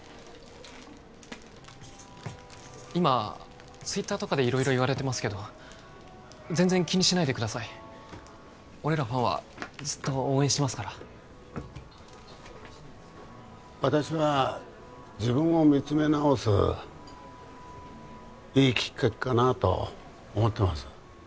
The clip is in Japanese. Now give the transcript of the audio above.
今ツイッターとかで色々言われてますけど全然気にしないでください俺らファンはずっと応援してますから私は自分を見つめ直すいいきっかけかなと思ってます